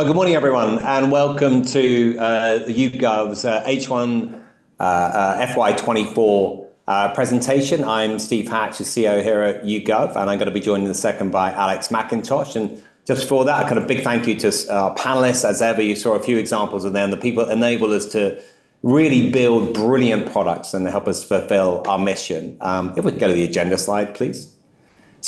Good morning, everyone, and welcome to the YouGov's H1 FY24 presentation. I'm Steve Hatch, the CEO here at YouGov, and I'm gonna be joined in a second by Alex McIntosh. And just before that, a kind of big thank you to our panelists. As ever, you saw a few examples, and then the people enable us to really build brilliant products and help us fulfill our mission. If we could go to the agenda slide, please.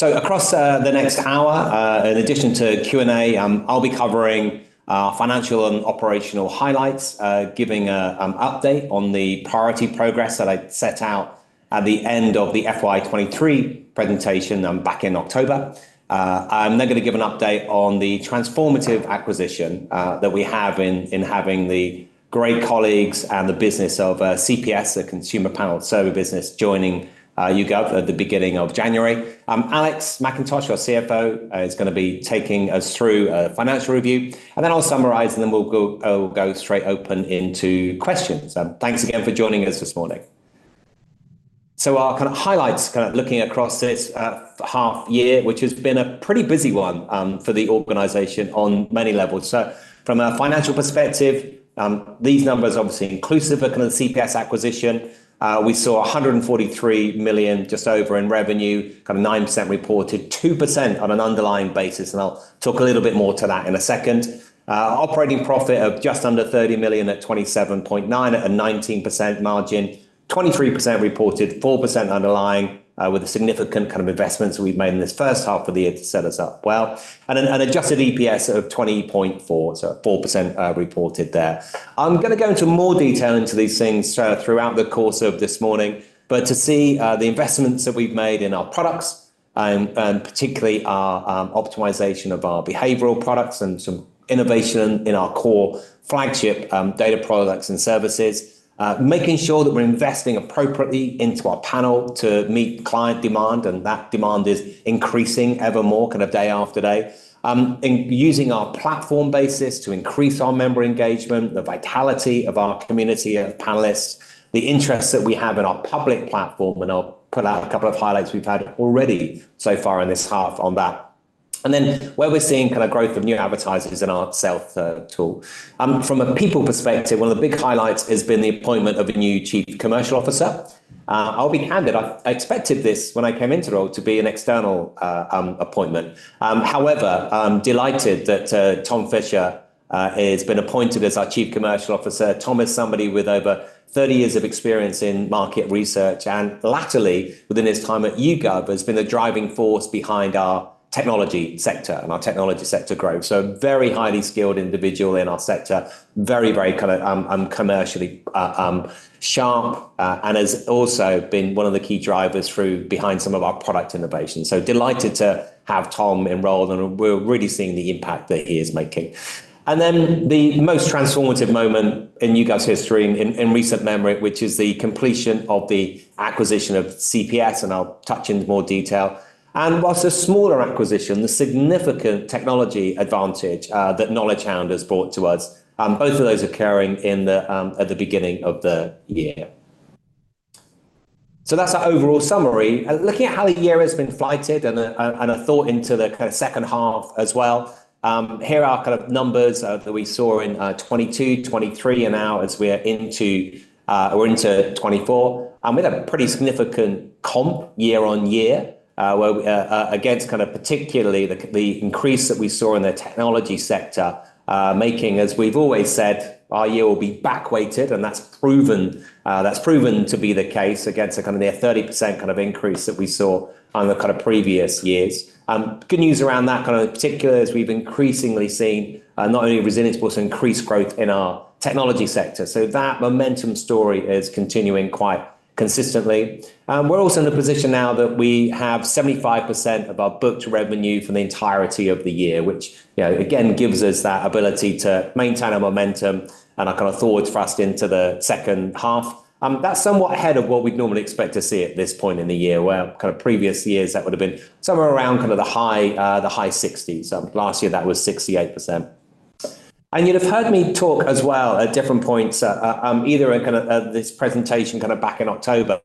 Across the next hour, in addition to Q&A, I'll be covering financial and operational highlights, giving an update on the priority progress that I set out at the end of the FY23 presentation, back in October. I'm then gonna give an update on the transformative acquisition that we have in having the great colleagues and the business of CPS, the Consumer Panel Services Business, joining YouGov at the beginning of January. Alex McIntosh, our Stifel, is gonna be taking us through a financial review, and then I'll summarize, and then we'll go, we'll go straight open into questions. Thanks again for joining us this morning. So our kind of highlights, kind of looking across this, half year, which has been a pretty busy one, for the organization on many levels. So from a financial perspective, these numbers obviously inclusive of kind of the CPS acquisition. We saw just over GBP 143 million in revenue, kind of 9% reported, 2% on an underlying basis, and I'll talk a little bit more to that in a second. Operating profit of just under 30 million at 27.9 million, at a 19% margin, 23% reported, 4% underlying, with a significant kind of investment that we've made in this first half of the year to set us up well. An adjusted EPS of 20.4, so 4% reported there. I'm gonna go into more detail into these things, throughout the course of this morning, but to see, the investments that we've made in our products, and particularly our, optimization of our behavioral products and some innovation in our core flagship, data products and services, making sure that we're investing appropriately into our panel to meet client demand, and that demand is increasing ever more, kind of day after day. And using our platform basis to increase our member engagement, the vitality of our community of panelists, the interest that we have in our public platform, and I'll put out a couple of highlights we've had already so far in this half on that. And then where we're seeing kind of growth of new advertisers in our self-serve tool. From a people perspective, one of the big highlights has been the appointment of a new Chief Commercial Officer. I'll be candid, I, I expected this when I came into the role to be an external, appointment. However, delighted that, Tom Fisher, has been appointed as our Chief Commercial Officer. Tom is somebody with over 30 years of experience in market research, and latterly, within his time at YouGov, has been the driving force behind our technology sector and our technology sector growth. So a very highly skilled individual in our sector, very, very kind of, commercially, sharp, and has also been one of the key drivers through behind some of our product innovation. So delighted to have Tom enrolled, and we're really seeing the impact that he is making. And then the most transformative moment in YouGov's history in recent memory, which is the completion of the acquisition of CPS, and I'll touch in more detail. Whilst a smaller acquisition, the significant technology advantage that KnowledgeHound has brought to us, both of those occurring at the beginning of the year. So that's our overall summary. Looking at how the year has been flighted and a thought into the kind of second half as well, here are kind of numbers that we saw in 2022, 2023, and now as we are into 2024. We had a pretty significant comp year on year, where, against kind of particularly the increase that we saw in the technology sector, making, as we've always said, our year will be backweighted, and that's proven, that's proven to be the case against a kind of near 30% kind of increase that we saw on the kind of previous years. Good news around that kind of particularly as we've increasingly seen, not only resilience, but also increased growth in our technology sector. So that momentum story is continuing quite consistently. We're also in the position now that we have 75% of our booked revenue for the entirety of the year, which, you know, again, gives us that ability to maintain our momentum and our kind of full thrust into the second half. That's somewhat ahead of what we'd normally expect to see at this point in the year, where kind of previous years that would have been somewhere around kind of the high, the high 60s. Last year that was 68%. You'd have heard me talk as well at different points, either at kind of, this presentation kind of back in October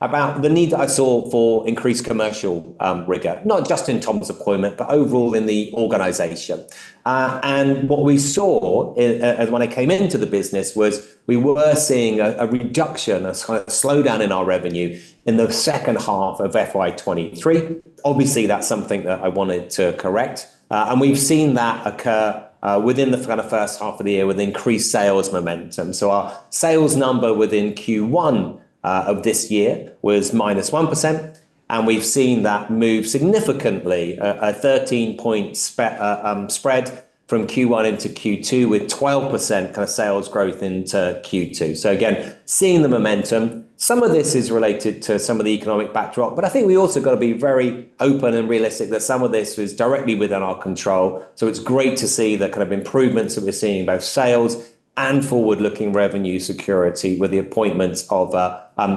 about the need that I saw for increased commercial rigor, not just in Tom's appointment, but overall in the organization. And what we saw in, as when I came into the business was we were seeing a, a reduction, a kind of slowdown in our revenue in the second half of FY23. Obviously, that's something that I wanted to correct. And we've seen that occur, within the kind of first half of the year with increased sales momentum. So our sales number within Q1 of this year was -1%, and we've seen that move significantly, a 13-point spread from Q1 into Q2 with 12% sales growth into Q2. So again, seeing the momentum, some of this is related to some of the economic backdrop, but I think we also gotta be very open and realistic that some of this is directly within our control. So it's great to see the kind of improvements that we're seeing both sales and forward-looking revenue security with the appointments of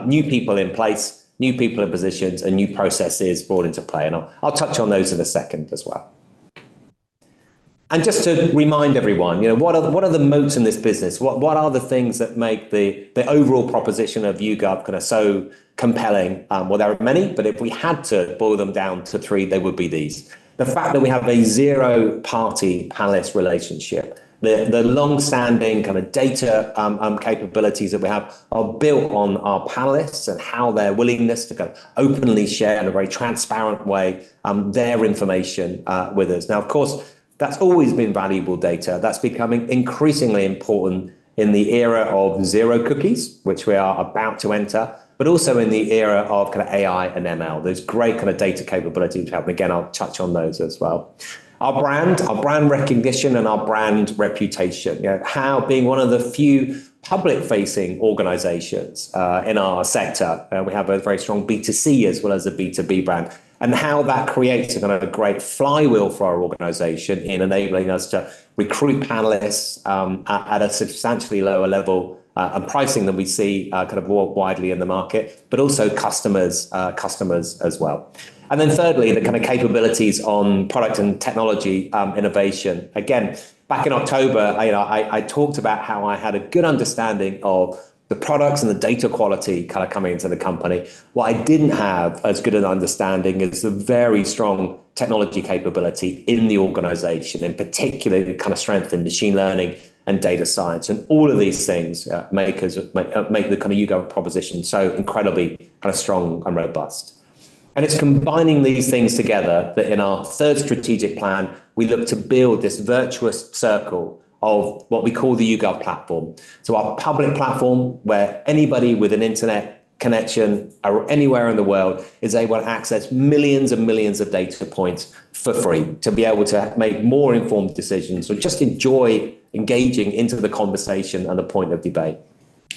new people in place, new people in positions, and new processes brought into play. And I'll touch on those in a second as well. And just to remind everyone, you know, what are the moats in this business? What are the things that make the overall proposition of YouGov kind of so compelling? Well, there are many, but if we had to boil them down to three, they would be these. The fact that we have a zero-party panelist relationship, the longstanding kind of data capabilities that we have are built on our panelists and how their willingness to kind of openly share in a very transparent way, their information, with us. Now, of course, that's always been valuable data. That's becoming increasingly important in the era of zero cookies, which we are about to enter, but also in the era of kind of AI and ML. There's great kind of data capabilities which help, and again, I'll touch on those as well. Our brand, our brand recognition, and our brand reputation, you know, how being one of the few public-facing organizations, in our sector, we have a very strong B2C as well as a B2B brand, and how that creates a kind of great flywheel for our organization in enabling us to recruit panelists, at a substantially lower level, and pricing than we see, kind of widely in the market, but also customers, customers as well. And then thirdly, the kind of capabilities on product and technology, innovation. Again, back in October, you know, I talked about how I had a good understanding of the products and the data quality kind of coming into the company. What I didn't have as good an understanding is the very strong technology capability in the organization, in particular kind of strength in machine learning and data science. All of these things make us make the kind of YouGov proposition so incredibly kind of strong and robust. It's combining these things together that in our third strategic plan, we look to build this virtuous circle of what we call the YouGov platform. Our public platform where anybody with an internet connection or anywhere in the world is able to access millions and millions of data points for free to be able to make more informed decisions or just enjoy engaging into the conversation and the point of debate.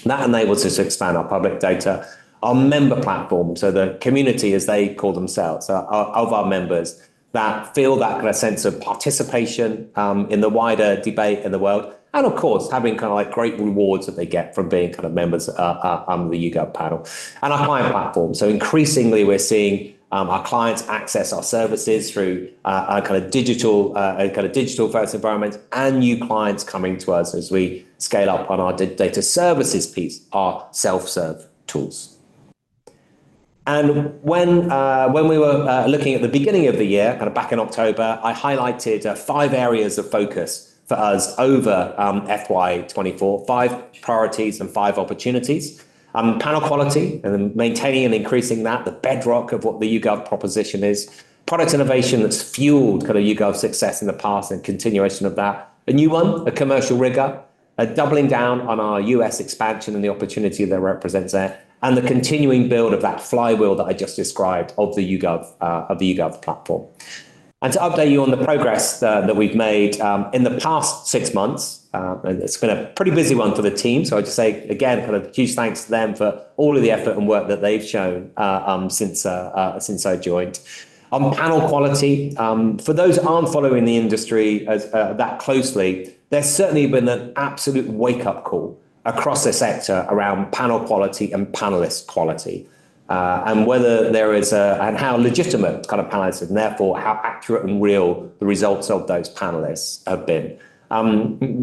That enables us to expand our public data, our member platform, so the community, as they call themselves, of our members that feel that kind of sense of participation in the wider debate in the world, and of course, having kind of like great rewards that they get from being kind of members of the YouGov panel. Our client platform. So increasingly, we're seeing our clients access our services through kind of digital, kind of digital-first environments and new clients coming to us as we scale up on our data services piece, our self-serve tools. And when we were looking at the beginning of the year, kind of back in October, I highlighted five areas of focus for us over FY24, five priorities and five opportunities: panel quality and maintaining and increasing that, the bedrock of what the YouGov proposition is, product innovation that's fueled kind of YouGov success in the past and continuation of that, a new one, a commercial rigor, doubling down on our US expansion and the opportunity that represents there, and the continuing build of that flywheel that I just described of the YouGov platform. To update you on the progress that we've made in the past six months, and it's been a pretty busy one for the team, so I'd just say again, kind of huge thanks to them for all of the effort and work that they've shown since I joined. On panel quality, for those who aren't following the industry as that closely, there's certainly been an absolute wake-up call across the sector around panel quality and panelist quality and whether there is and how legitimate kind of panelists and therefore how accurate and real the results of those panelists have been.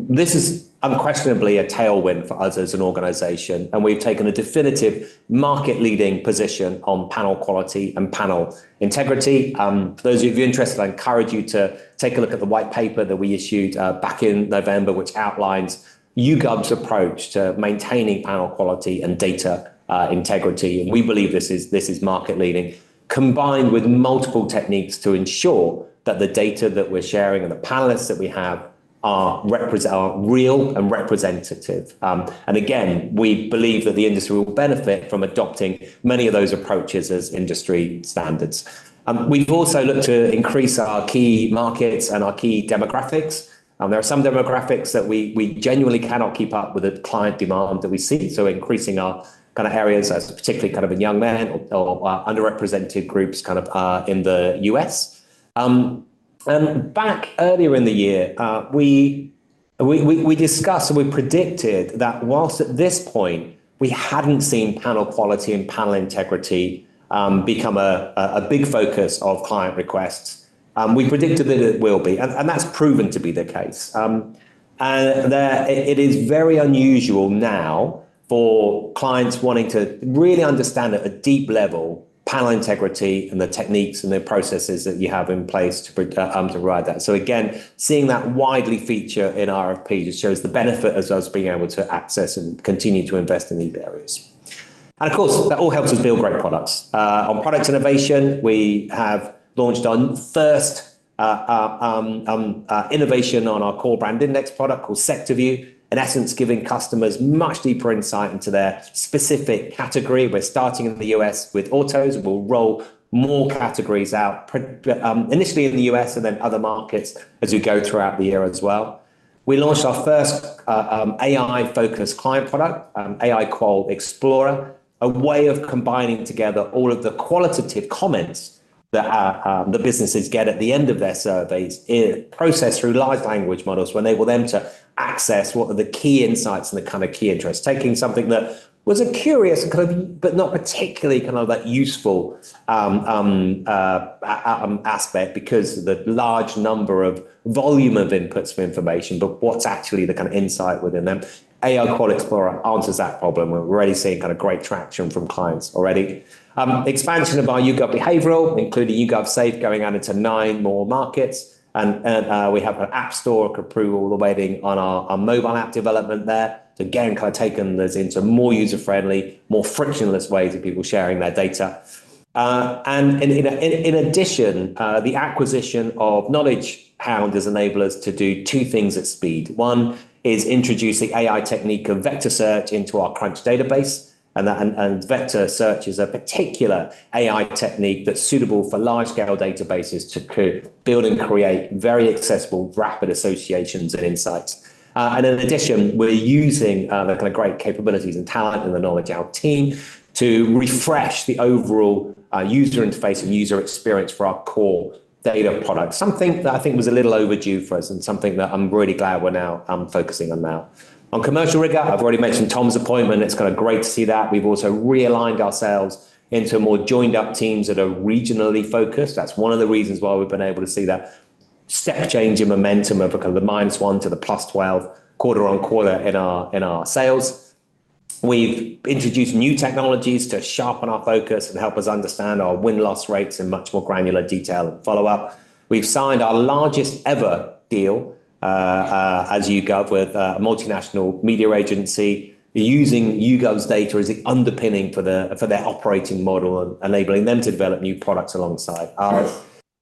This is unquestionably a tailwind for us as an organization, and we've taken a definitive market-leading position on panel quality and panel integrity. For those of you interested, I encourage you to take a look at the white paper that we issued back in November, which outlines YouGov's approach to maintaining panel quality and data integrity. We believe this is market-leading, combined with multiple techniques to ensure that the data that we're sharing and the panelists that we have are representative. Again, we believe that the industry will benefit from adopting many of those approaches as industry standards. We've also looked to increase our key markets and our key demographics. There are some demographics that we genuinely cannot keep up with the client demand that we see, so increasing our kind of areas, particularly kind of in young men or underrepresented groups kind of in the US. Back earlier in the year, we discussed and we predicted that while at this point, we hadn't seen panel quality and panel integrity become a big focus of client requests, we predicted that it will be. That's proven to be the case. It is very unusual now for clients wanting to really understand at a deep level panel integrity and the techniques and the processes that you have in place to provide that. So again, seeing that widely featured in RFP just shows the benefit of us being able to access and continue to invest in these areas. Of course, that all helps us build great products. On product innovation, we have launched our first innovation on our core brand index product called SectorView, in essence giving customers much deeper insight into their specific category. We're starting in the U.S. with autos, and we'll roll more categories out, initially in the U.S. and then other markets as we go throughout the year as well. We launched our first, AI-focused client product, AI Qual Explorer, a way of combining together all of the qualitative comments that, the businesses get at the end of their surveys in process through large language models when they were then to access what are the key insights and the kind of key interests, taking something that was a curious kind of but not particularly kind of that useful, aspect because of the large number of volume of inputs for information, but what's actually the kind of insight within them. AI Qual Explorer answers that problem. We're already seeing kind of great traction from clients already. Expansion of our YouGov Behavioral, including YouGov Safe, going out into nine more markets. And we have an app store approval awaiting on our mobile app development there. So again, kind of taken those into more user-friendly, more frictionless ways of people sharing their data. And, you know, in addition, the acquisition of KnowledgeHound has enabled us to do two things at speed. One is introduce the AI technique of vector search into our Crunch database. And vector search is a particular AI technique that's suitable for large-scale databases to cobuild and create very accessible, rapid associations and insights. And in addition, we're using the kind of great capabilities and talent in the KnowledgeHound team to refresh the overall user interface and user experience for our core data product, something that I think was a little overdue for us and something that I'm really glad we're now focusing on now. On commercial rigor, I've already mentioned Tom's appointment. It's kind of great to see that. We've also realigned ourselves into more joined-up teams that are regionally focused. That's one of the reasons why we've been able to see that step change in momentum of a kind of the -1 to the +12 quarter-on-quarter in our, in our sales. We've introduced new technologies to sharpen our focus and help us understand our win-loss rates in much more granular detail and follow-up. We've signed our largest ever deal, as YouGov with, a multinational media agency using YouGov's data as the underpinning for the for their operating model and enabling them to develop new products alongside ours.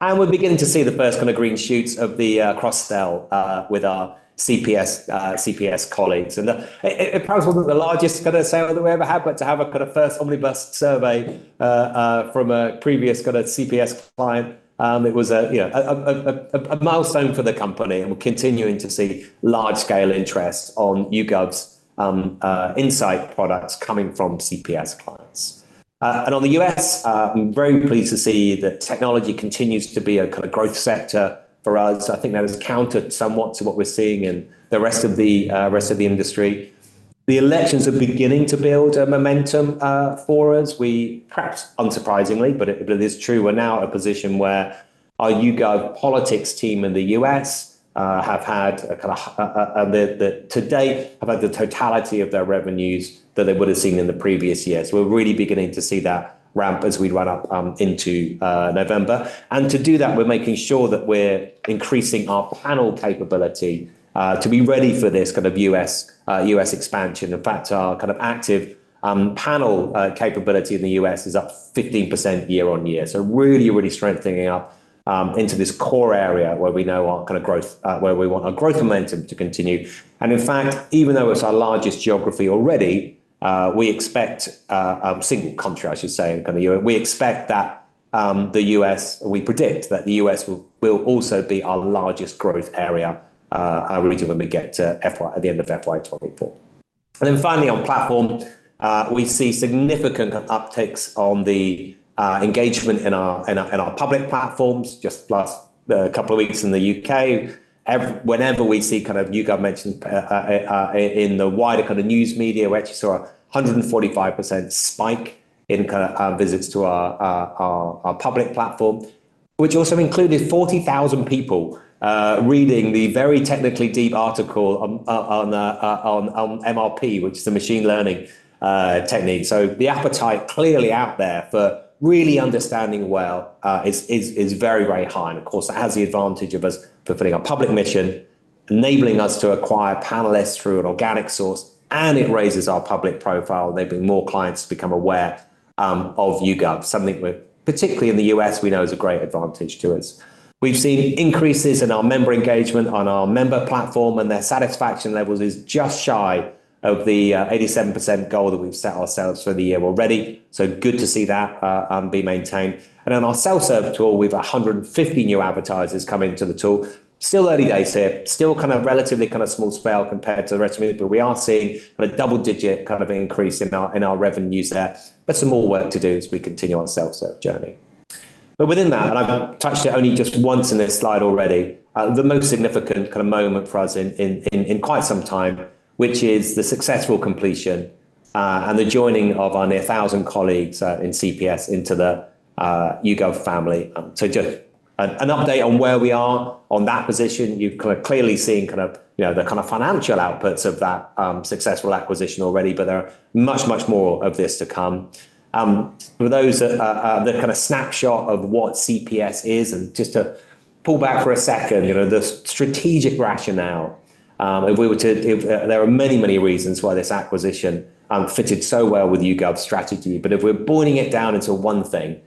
We're beginning to see the first kind of green shoots of the, cross-sell, with our CPS, CPS colleagues. And it perhaps wasn't the largest kind of sale that we ever had, but to have a kind of first omnibus survey from a previous kind of CPS client, it was, you know, a milestone for the company. And we're continuing to see large-scale interest on YouGov's insight products coming from CPS clients. And on the U.S., I'm very pleased to see that technology continues to be a kind of growth sector for us. I think that has countered somewhat to what we're seeing in the rest of the industry. The elections are beginning to build a momentum for us. We perhaps unsurprisingly, but it, but it is true, we're now at a position where our YouGov Politics team in the U.S. have had a kind of, the, the today have had the totality of their revenues that they would have seen in the previous years. We're really beginning to see that ramp as we run up into November. To do that, we're making sure that we're increasing our panel capability to be ready for this kind of U.S., U.S. expansion. In fact, our kind of active panel capability in the U.S. is up 15% year-on-year. So really, really strengthening up into this core area where we know our kind of growth, where we want our growth momentum to continue. In fact, even though it's our largest geography already, we expect single country, I should say, in kind of Europe, we expect that the US, we predict that the US will also be our largest growth area, region when we get to FY at the end of FY 2024. Then finally, on platform, we see significant kind of upticks on the engagement in our public platforms just last couple of weeks in the UK. Ever whenever we see kind of YouGov mentioned in the wider kind of news media, we actually saw a 145% spike in kind of visits to our public platform, which also included 40,000 people reading the very technically deep article on MRP, which is the machine learning technique. So the appetite clearly out there for really understanding well is very, very high. Of course, that has the advantage of us fulfilling our public mission, enabling us to acquire panelists through an organic source, and it raises our public profile. There've been more clients to become aware of YouGov, something we're particularly in the U.S., we know is a great advantage to us. We've seen increases in our member engagement on our member platform, and their satisfaction levels is just shy of the 87% goal that we've set ourselves for the year already. So good to see that be maintained. On our self-serve tool, we've 150 new advertisers come into the tool. Still early days here, still kind of relatively kind of small scale compared to the rest of the movie, but we are seeing kind of double-digit kind of increase in our revenues there. Some more work to do as we continue our self-serve journey. But within that, and I've touched it only just once in this slide already, the most significant kind of moment for us in quite some time, which is the successful completion, and the joining of our near 1,000 colleagues, in CPS into the YouGov family. So just an update on where we are on that position. You've kind of clearly seen kind of, you know, the kind of financial outputs of that successful acquisition already, but there are much, much more of this to come. For those that, the kind of snapshot of what CPS is, and just to pull back for a second, you know, the strategic rationale. If there are many, many reasons why this acquisition fitted so well with YouGov's strategy, but if we're boiling it down into one thing,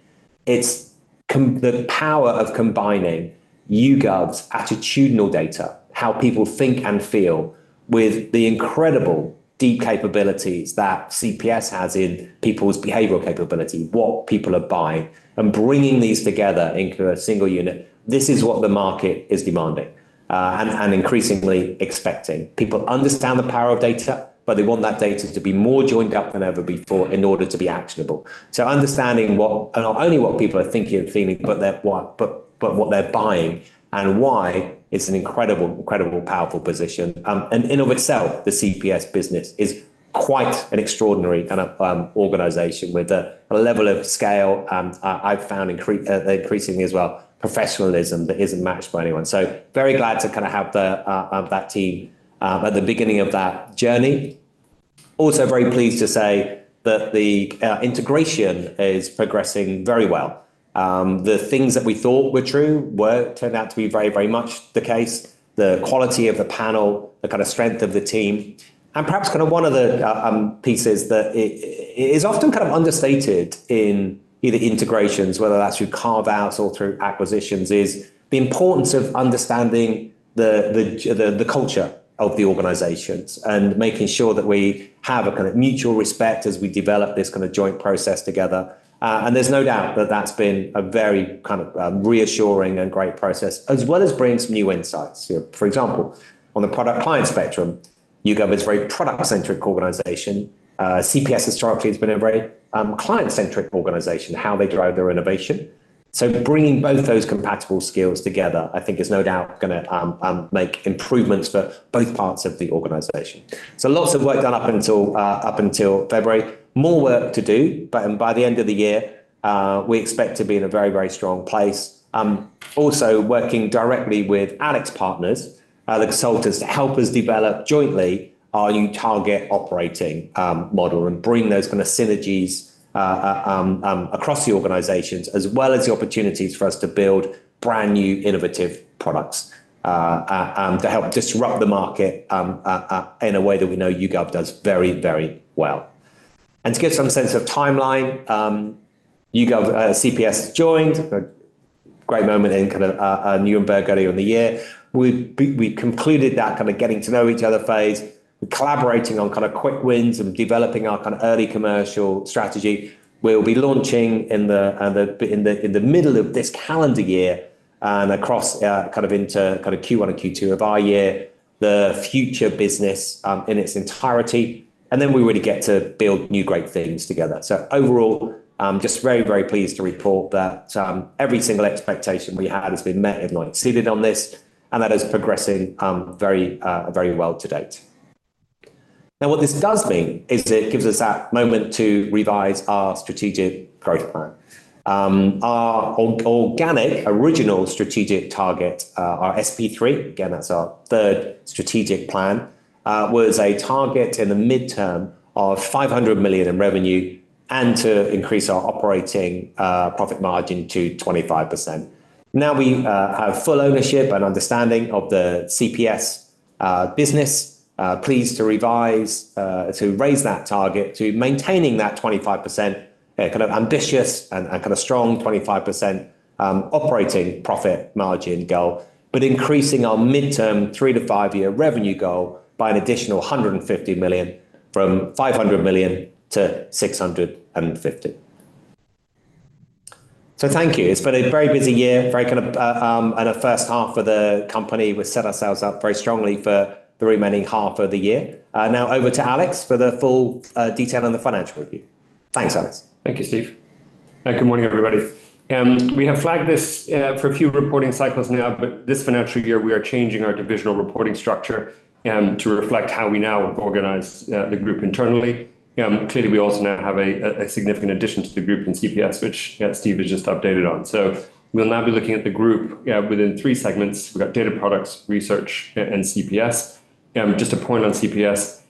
it's the power of combining YouGov's attitudinal data, how people think and feel, with the incredible deep capabilities that CPS has in people's behavioral capability, what people are buying, and bringing these together into a single unit. This is what the market is demanding, and increasingly expecting. People understand the power of data, but they want that data to be more joined up than ever before in order to be actionable. So understanding not only what people are thinking and feeling, but what they're buying and why is an incredible, incredible, powerful position. In and of itself, the CPS business is quite an extraordinary kind of organization with a level of scale, I've found increasingly as well, professionalism that isn't matched by anyone. So very glad to kind of have that team at the beginning of that journey. Also very pleased to say that integration is progressing very well. The things that we thought were true were turned out to be very, very much the case, the quality of the panel, the kind of strength of the team. Perhaps kind of one of the pieces that it is often kind of understated in either integrations, whether that's through carve-outs or through acquisitions, is the importance of understanding the culture of the organizations and making sure that we have a kind of mutual respect as we develop this kind of joint process together. And there's no doubt that that's been a very kind of reassuring and great process, as well as bringing some new insights. You know, for example, on the product-client spectrum, YouGov is a very product-centric organization. CPS historically has been a very client-centric organization, how they drive their innovation. So bringing both those compatible skills together, I think, is no doubt going to make improvements for both parts of the organization. So lots of work done up until February, more work to do, but by the end of the year, we expect to be in a very, very strong place. Also working directly with AlixPartners, the consultants, to help us develop jointly our new target operating model and bring those kind of synergies across the organizations, as well as the opportunities for us to build brand new, innovative products, to help disrupt the market, in a way that we know YouGov does very, very well. To give some sense of timeline, YouGov CPS has joined, a great moment in kind of a Nuremberg early on the year. We've concluded that kind of getting to know each other phase. We're collaborating on kind of quick wins and developing our kind of early commercial strategy. We'll be launching in the middle of this calendar year and across kind of into Q1 and Q2 of our year, the future business, in its entirety. Then we really get to build new great things together. Overall, just very, very pleased to report that every single expectation we had has been met and exceeded on this, and that is progressing very, very well to date. Now, what this does mean is it gives us that moment to revise our strategic growth plan. Our organic, original strategic target, our SP3, again, that's our third strategic plan, was a target in the midterm of 500 million in revenue and to increase our operating profit margin to 25%. Now we have full ownership and understanding of the CPS business, pleased to revise to raise that target to maintaining that 25%, kind of ambitious and kind of strong 25% operating profit margin goal, but increasing our midterm 3-5-year revenue goal by an additional 150 million from 500 million to 650 million. So thank you. It's been a very busy year, very kind of in the first half of the company. We've set ourselves up very strongly for the remaining half of the year. Now over to Alex for the full detail on the financial review. Thanks, Alex. Thank you, Steve. And good morning, everybody. We have flagged this, for a few reporting cycles now, but this financial year, we are changing our divisional reporting structure, to reflect how we now organize, the group internally. Clearly, we also now have a, a significant addition to the group in CPS, which, Steve has just updated on. So we'll now be looking at the group, within three segments. We've got data products, research, and CPS. Just a point on CPS,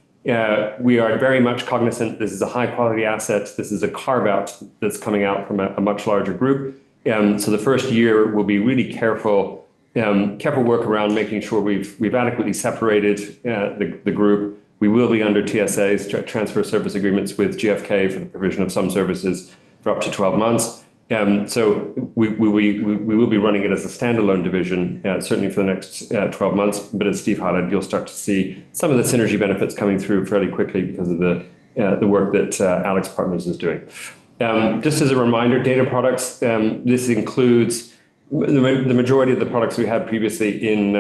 we are very much cognizant this is a high-quality asset. This is a carve-out that's coming out from a, a much larger group. So the first year, we'll be really careful, careful work around making sure we've, we've adequately separated, the, the group. We will be under TSAs, Transitional Service Agreements, with GfK for the provision of some services for up to 12 months. So we will be running it as a standalone division, certainly for the next 12 months. But as Steve highlighted, you'll start to see some of the synergy benefits coming through fairly quickly because of the work that AlixPartners is doing. Just as a reminder, data products, this includes the majority of the products we had previously in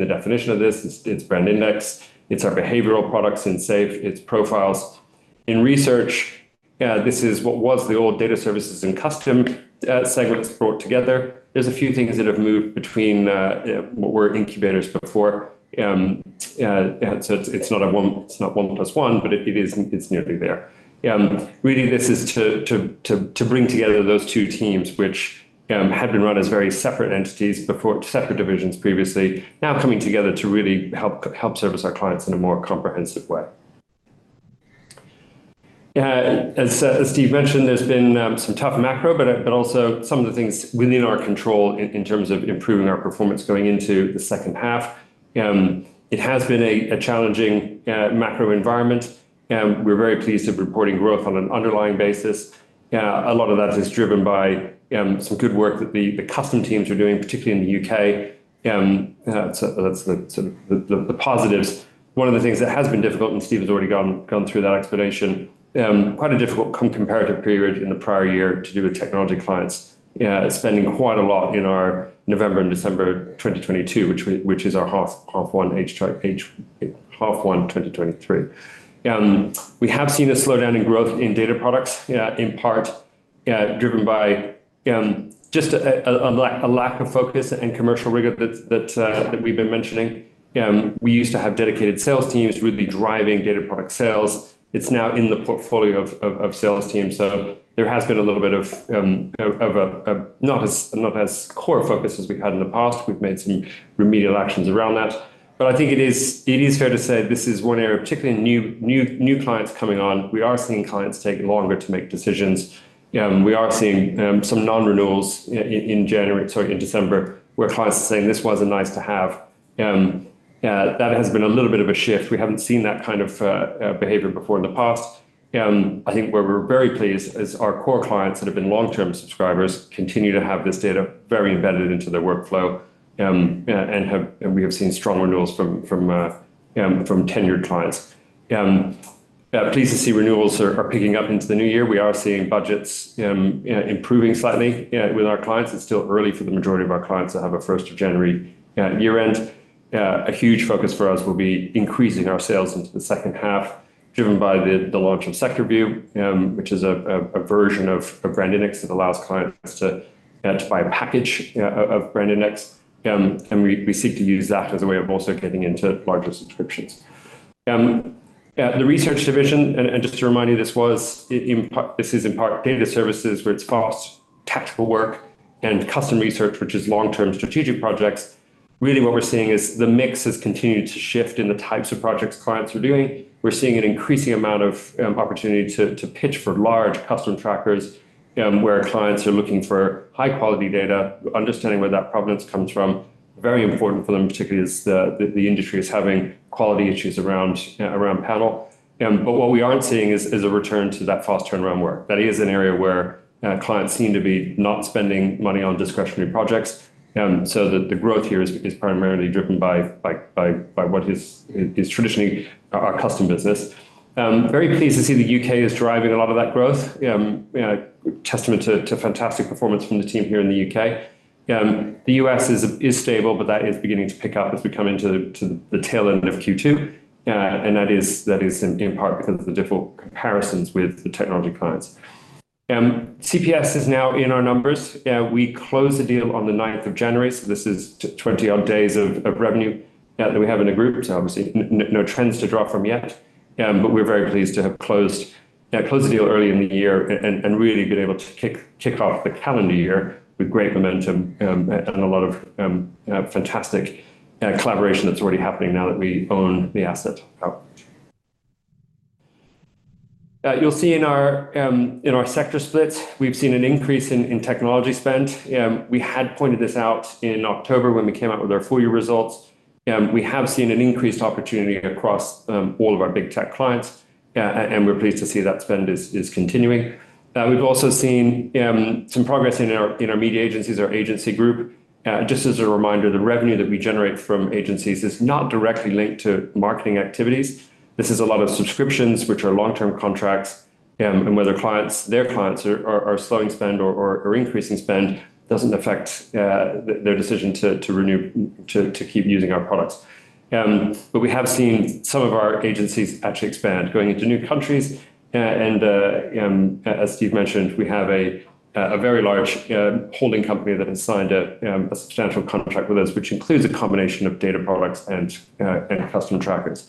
the definition of this. It's BrandIndex. It's our behavioral products in Safe. It's Profiles. In research, this is what was the old data services and custom segments brought together. There's a few things that have moved between what were incubators before. So it's not a one, it's not one plus one, but it isn't, it's nearly there. Really, this is to bring together those two teams, which had been run as very separate entities before separate divisions previously, now coming together to really help service our clients in a more comprehensive way. As Steve mentioned, there's been some tough macro, but also some of the things within our control in terms of improving our performance going into the second half. It has been a challenging macro environment. We're very pleased to be reporting growth on an underlying basis. A lot of that is driven by some good work that the custom teams are doing, particularly in the UK. That's the sort of the positives. One of the things that has been difficult, and Steve has already gone through that explanation, quite a difficult comparative period in the prior year to do with technology clients spending quite a lot in our November and December 2022, which is our H1 2023. We have seen a slowdown in growth in data products, in part driven by just a lack of focus and commercial rigor that we've been mentioning. We used to have dedicated sales teams really driving data product sales. It's now in the portfolio of sales teams. So there has been a little bit of a not as core focus as we've had in the past. We've made some remedial actions around that. But I think it is fair to say this is one area, particularly in new clients coming on. We are seeing clients take longer to make decisions. We are seeing some non-renewals in December, where clients are saying, "This wasn't nice to have." That has been a little bit of a shift. We haven't seen that kind of behavior before in the past. I think where we're very pleased is our core clients that have been long-term subscribers continue to have this data very embedded into their workflow, and we have seen strong renewals from tenured clients. Pleased to see renewals are picking up into the new year. We are seeing budgets improving slightly with our clients. It's still early for the majority of our clients to have a first of January year-end. A huge focus for us will be increasing our sales into the second half, driven by the launch of SectorView, which is a version of BrandIndex that allows clients to buy a package of BrandIndex. And we seek to use that as a way of also getting into larger subscriptions. The research division and just to remind you, this is in part data services, where it's fast tactical work and Custom Research, which is long-term strategic projects. Really, what we're seeing is the mix has continued to shift in the types of projects clients are doing. We're seeing an increasing amount of opportunity to pitch for large custom trackers, where clients are looking for high-quality data, understanding where that provenance comes from. Very important for them, particularly as the industry is having quality issues around panel. But what we aren't seeing is a return to that fast turnaround work. That is an area where clients seem to be not spending money on discretionary projects. So the growth here is primarily driven by what is traditionally our custom business. Very pleased to see the UK is driving a lot of that growth, testament to fantastic performance from the team here in the UK. The US is stable, but that is beginning to pick up as we come into the tail end of Q2. And that is in part because of the different comparisons with the technology clients. CPS is now in our numbers. We closed the deal on the 9th of January. So this is 20-odd days of revenue that we have in the group. So obviously, no trends to draw from yet. But we're very pleased to have closed the deal early in the year and really been able to kick off the calendar year with great momentum, and a lot of fantastic collaboration that's already happening now that we own the asset out. You'll see in our sector splits, we've seen an increase in technology spent. We had pointed this out in October when we came out with our full year results. We have seen an increased opportunity across all of our big tech clients. And we're pleased to see that spend is continuing. We've also seen some progress in our media agencies, our agency group. Just as a reminder, the revenue that we generate from agencies is not directly linked to marketing activities. This is a lot of subscriptions, which are long-term contracts. Whether clients their clients are slowing spend or increasing spend doesn't affect their decision to renew, to keep using our products. But we have seen some of our agencies actually expand, going into new countries. And, as Steve mentioned, we have a very large holding company that has signed a substantial contract with us, which includes a combination of data products and custom trackers.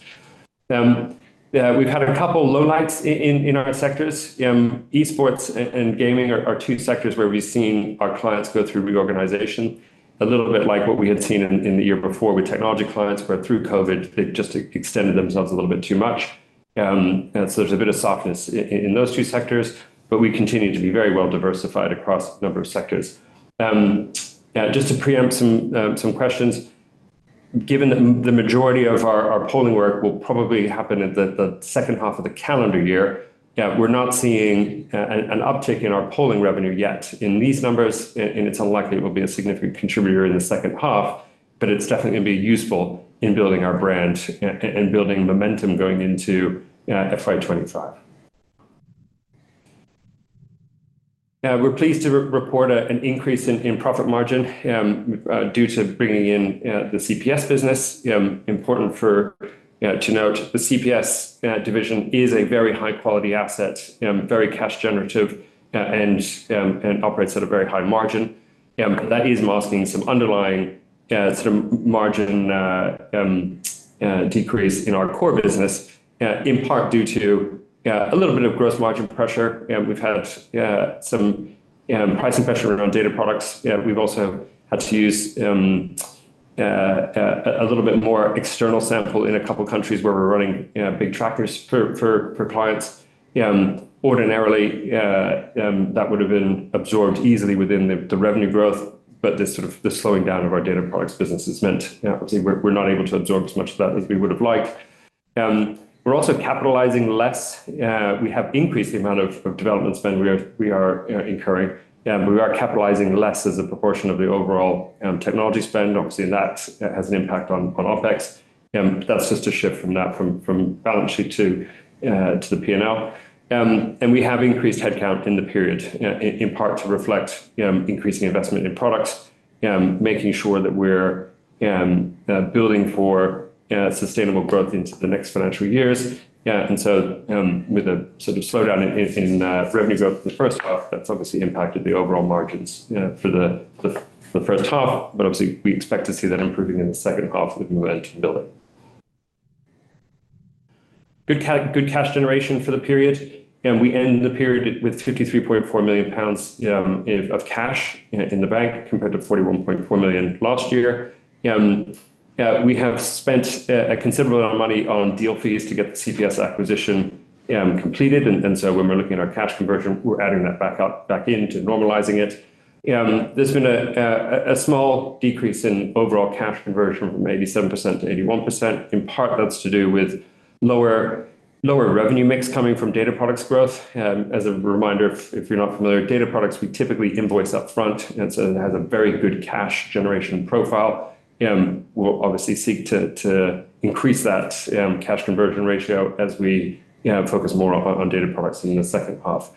We've had a couple lowlights in our sectors. Esports and gaming are two sectors where we've seen our clients go through reorganization, a little bit like what we had seen in the year before with technology clients where through COVID, they just extended themselves a little bit too much. So there's a bit of softness in those two sectors, but we continue to be very well diversified across a number of sectors. Just to preempt some questions, given that the majority of our polling work will probably happen in the second half of the calendar year, we're not seeing an uptick in our polling revenue yet in these numbers. And it's unlikely it will be a significant contributor in the second half, but it's definitely going to be useful in building our brand and building momentum going into FY25. We're pleased to report an increase in profit margin, due to bringing in the CPS business. Important to note, the CPS division is a very high-quality asset, very cash-generative, and operates at a very high margin. That is masking some underlying sort of margin decrease in our core business, in part due to a little bit of gross margin pressure. We've had some pricing pressure around data products. We've also had to use a little bit more external sample in a couple of countries where we're running big trackers for clients. Ordinarily, that would have been absorbed easily within the revenue growth, but this sort of the slowing down of our data products business has meant, obviously, we're not able to absorb as much of that as we would have liked. We're also capitalizing less. We have increased the amount of development spend we are incurring. We are capitalizing less as a proportion of the overall technology spend. Obviously, that has an impact on OpEx. That's just a shift from that balance sheet to the P&L. And we have increased headcount in the period, in part to reflect increasing investment in products, making sure that we're building for sustainable growth into the next financial years. And so, with a sort of slowdown in revenue growth in the first half, that's obviously impacted the overall margins for the first half. But obviously, we expect to see that improving in the second half of the move into building. Good cash generation for the period. We end the period with 53.4 million pounds of cash in the bank compared to 41.4 million last year. We have spent a considerable amount of money on deal fees to get the CPS acquisition completed. And so when we're looking at our cash conversion, we're adding that back out back into normalizing it. There's been a small decrease in overall cash conversion from 87%-81%. In part, that's to do with lower revenue mix coming from data products growth. As a reminder, if you're not familiar, data products, we typically invoice upfront. And so it has a very good cash generation profile. We'll obviously seek to increase that cash conversion ratio as we focus more on data products in the second half.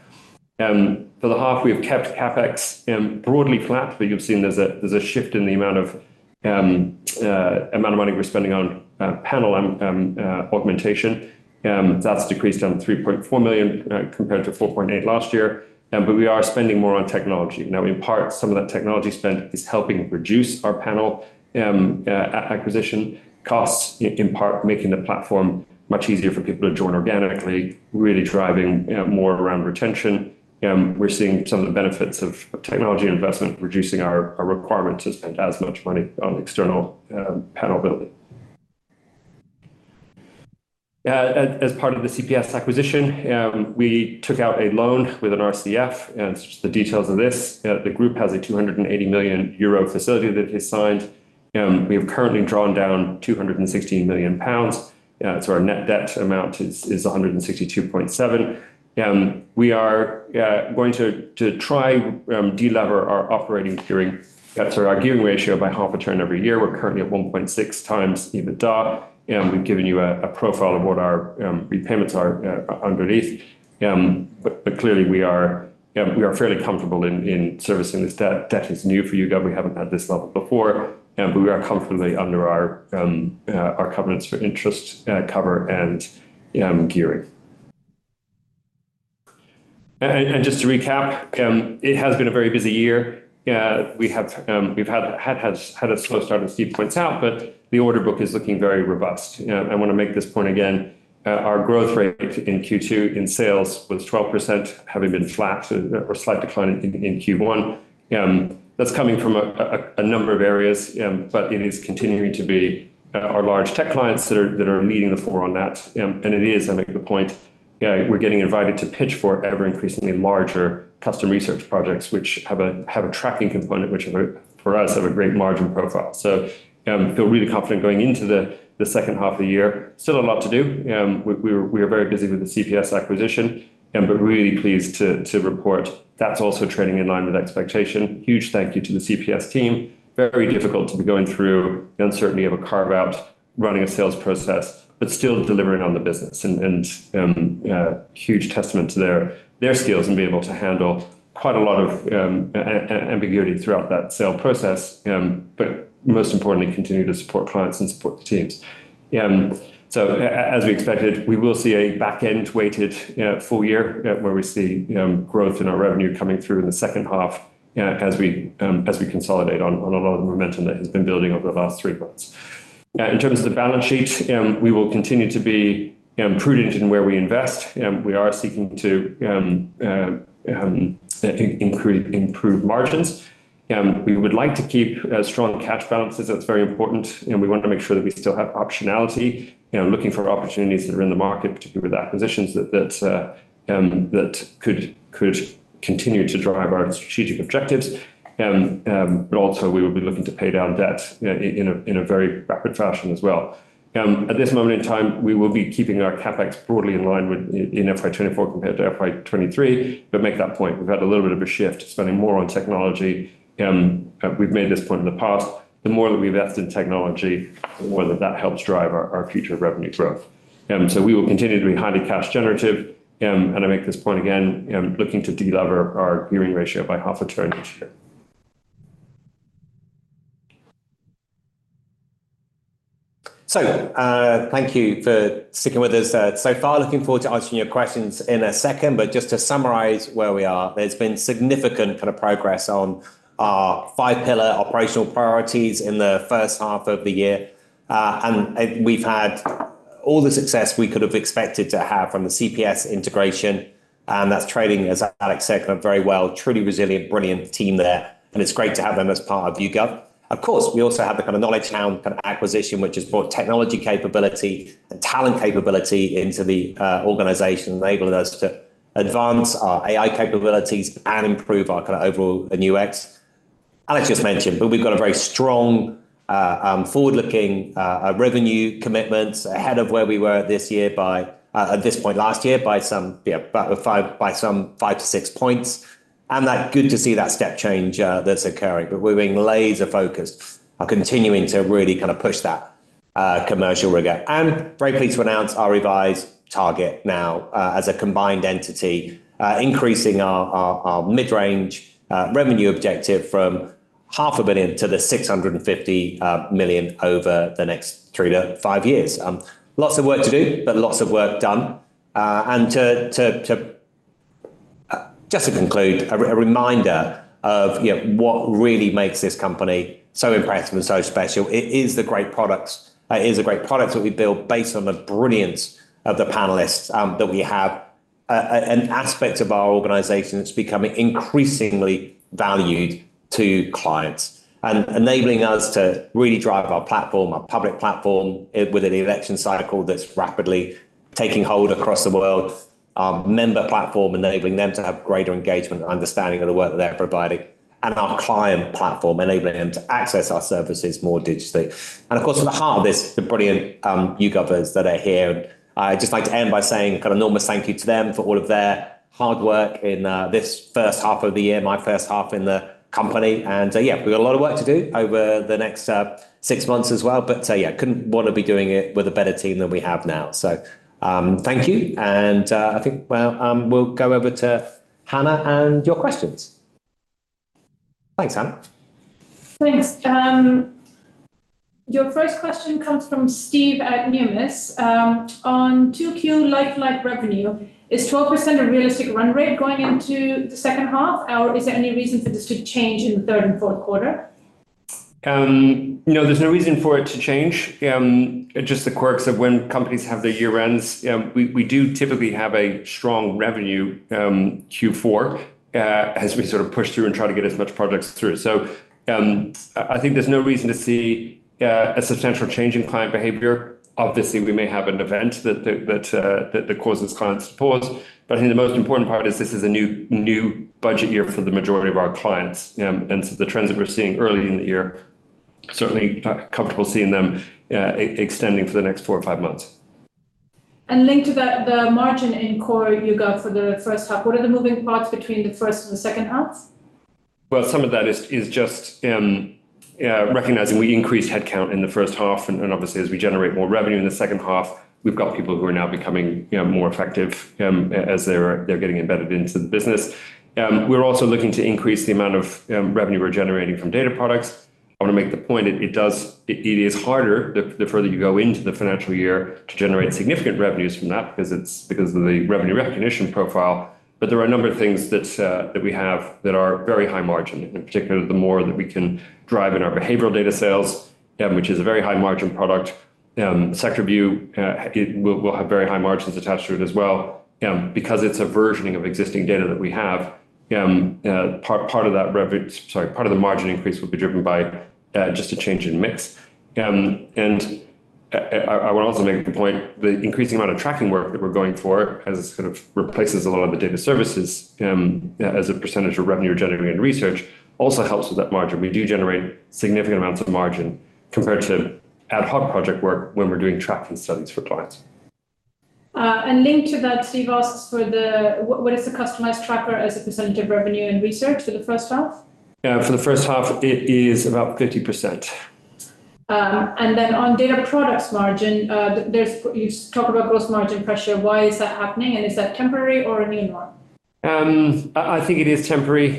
For the half, we have kept CAPEX broadly flat, but you've seen there's a shift in the amount of money we're spending on panel augmentation. That's decreased down to 3.4 million, compared to 4.8 last year. But we are spending more on technology. Now, in part, some of that technology spend is helping reduce our panel acquisition costs, in part making the platform much easier for people to join organically, really driving more around retention. We're seeing some of the benefits of technology investment, reducing our requirement to spend as much money on external panel building. As part of the CPS acquisition, we took out a loan with an RCF. And the details of this, the group has a €280 million facility that is signed. We have currently drawn down £216 million. So our net debt amount is £162.7 million. We are going to try de-lever our operating gearing, sorry, our gearing ratio by half a turn every year. We're currently at 1.6 times EBITDA. We've given you a profile of what our repayments are, underneath. But clearly, we are fairly comfortable in servicing this debt. Debt is new for YouGov. We haven't had this level before. But we are comfortably under our covenants for interest cover and gearing. And just to recap, it has been a very busy year. We've had a slow start, as Steve points out, but the order book is looking very robust. I want to make this point again. Our growth rate in Q2 in sales was 12%, having been flat or slight decline in Q1. That's coming from a number of areas. But it is continuing to be our large tech clients that are leading the way on that. It is, I make the point, we're getting invited to pitch for ever-increasingly larger custom research projects, which have a tracking component, which are for us, have a great margin profile. So, feel really confident going into the second half of the year. Still a lot to do. We are very busy with the CPS acquisition, but really pleased to report that's also trading in line with expectation. Huge thank you to the CPS team. Very difficult to be going through the uncertainty of a carve-out, running a sales process, but still delivering on the business. And, huge testament to their skills and being able to handle quite a lot of ambiguity throughout that sale process. But most importantly, continue to support clients and support the teams. As we expected, we will see a back-end-weighted full year, where we see growth in our revenue coming through in the second half, as we consolidate on a lot of the momentum that has been building over the last three months. In terms of the balance sheet, we will continue to be prudent in where we invest. We are seeking to improve margins. We would like to keep strong cash balances. That's very important. We want to make sure that we still have optionality, looking for opportunities that are in the market, particularly with acquisitions that could continue to drive our strategic objectives. But also, we would be looking to pay down debt in a very rapid fashion as well. At this moment in time, we will be keeping our CAPEX broadly in line with in FY24 compared to FY23, but make that point. We've had a little bit of a shift, spending more on technology. We've made this point in the past. The more that we've invested in technology, the more that that helps drive our, our future revenue growth. So we will continue to be highly cash-generative. And I make this point again, looking to de-lever our gearing ratio by half a turn each year. So, thank you for sticking with us, so far. Looking forward to answering your questions in a second. But just to summarize where we are, there's been significant kind of progress on our five-pillar operational priorities in the first half of the year. And we've had all the success we could have expected to have from the CPS integration. And that's trading, as Alex said, kind of very well, truly resilient, brilliant team there. And it's great to have them as part of YouGov. Of course, we also have the kind of KnowledgeHound kind of acquisition, which has brought technology capability and talent capability into the organization, enabling us to advance our AI capabilities and improve our kind of overall UX. Alex just mentioned, but we've got a very strong, forward-looking, revenue commitments ahead of where we were this year by, at this point last year, by some, yeah, about five by some five to six points. And that's good to see that step change, that's occurring. But we're being laser-focused, continuing to really kind of push that commercial rigor. Very pleased to announce our revised target now, as a combined entity, increasing our mid-range revenue objective from 500 million to 650 million over the next three to five years. Lots of work to do, but lots of work done. To just conclude, a reminder of, you know, what really makes this company so impressive and so special. It is the great products. It is the great products that we build based on the brilliance of the panelists that we have, an aspect of our organization that's becoming increasingly valued to clients and enabling us to really drive our platform, our public platform, with an election cycle that's rapidly taking hold across the world, our member platform, enabling them to have greater engagement and understanding of the work that they're providing, and our client platform, enabling them to access our services more digitally. And of course, at the heart of this, the brilliant YouGovers that are here. And I'd just like to end by saying kind of an enormous thank you to them for all of their hard work in this first half of the year, my first half in the company. And, yeah, we've got a lot of work to do over the next six months as well. But, yeah, couldn't want to be doing it with a better team than we have now. So, thank you. And, I think, well, we'll go over to Hannah and your questions. Thanks, Hannah. Thanks. Your first question comes from Steve at Numis. On 2Q like-for-like revenue, is 12% a realistic run rate going into the second half, or is there any reason for this to change in the third and fourth quarter? No, there's no reason for it to change. Just the quirks of when companies have their year-ends, we do typically have a strong revenue Q4, as we sort of push through and try to get as much projects through. So, I think there's no reason to see a substantial change in client behavior. Obviously, we may have an event that causes clients to pause. But I think the most important part is this is a new budget year for the majority of our clients. And so the trends that we're seeing early in the year, certainly comfortable seeing them extending for the next four or five months. Linked to that, the margin in core YouGov for the first half, what are the moving parts between the first and the second half? Well, some of that is just recognizing we increased headcount in the first half. And obviously, as we generate more revenue in the second half, we've got people who are now becoming, you know, more effective, as they're getting embedded into the business. We're also looking to increase the amount of revenue we're generating from data products. I want to make the point, it is harder, the further you go into the financial year, to generate significant revenues from that because of the revenue recognition profile. But there are a number of things that we have that are very high margin, in particular the more that we can drive in our behavioral data sales, which is a very high margin product. SectorView, it will have very high margins attached to it as well. Because it's a versioning of existing data that we have, part of that revenue, sorry, part of the margin increase will be driven by just a change in mix. And I want to also make the point, the increasing amount of tracking work that we're going for, as it sort of replaces a lot of the data services, as a percentage of revenue we're generating in research, also helps with that margin. We do generate significant amounts of margin compared to ad hoc project work when we're doing tracking studies for clients. Linked to that, Steve asks, what is the customized tracker as a percentage of revenue and research for the first half? Yeah, for the first half, it is about 50%. Then, on data products margin, you talk about gross margin pressure. Why is that happening? Is that temporary or a new norm? I think it is temporary.